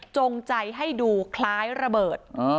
จงใจให้ดูคล้ายระเบิด